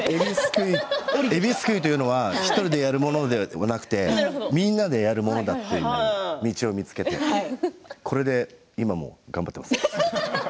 えびすくいというのは１人でやるものではなくてみんなでやるものだという道を見つけてこれで今も頑張っています。